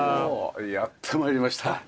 やって参りました。